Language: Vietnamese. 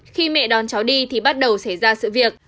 khi mẹ đón cháu đi thì bắt đầu xảy ra sự việc